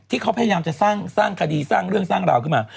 ที่เขาพยายามจะสร้างคดีสร้างเรื่องสร้างราวขึ้นมา